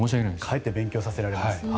かえって勉強させられます。